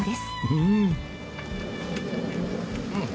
うん！